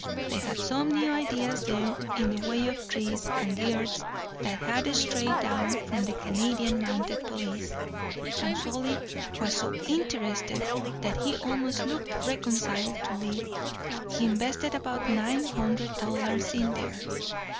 They had some new ideas there in the way of trees and girths that had strayed down from the Canadian mounted police; and Solly was so interested that he almost looked reconciled to live. He invested about nine hundred dollars in there.